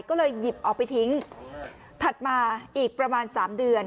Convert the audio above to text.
ก็เลยหยิบเอาไปทิ้งถัดมาอีกประมาณสามเดือน